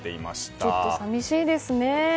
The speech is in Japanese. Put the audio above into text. ちょっと寂しいですね。